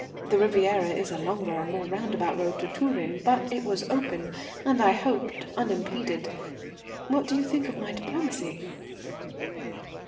The Riviera is a longer and more roundabout road to Turin, but it was open, and I hoped unimpeded. What do you think of my diplomacy?"